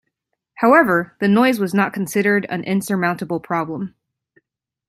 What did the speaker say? However, the noise was not considered an insurmountable problem.